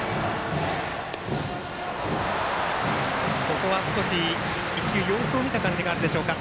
ここは少し様子を見た感じがあるでしょうか。